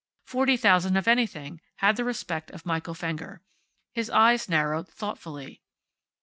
Forty thousand of anything had the respect of Michael Fenger. His eyes narrowed, thoughtfully.